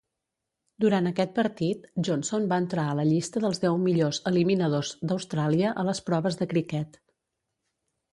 Durant aquest partit, Johnson va entrar a la llista dels deu millors "eliminadors" d'Austràlia a les proves de criquet.